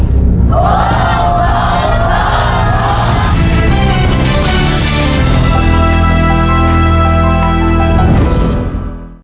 ถูก